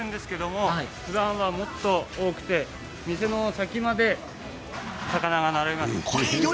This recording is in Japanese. いっぱいあるんですけどふだんはもっと多くて店の先までお魚が並びます。